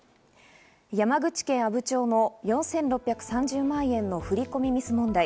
山口県阿武町の４６３０万円の振り込みミス問題。